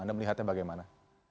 anda melihatnya bagaimana